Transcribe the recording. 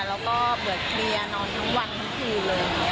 แล้วก็เหมือนเคลียร์นอนทั้งวันทั้งคืนเลย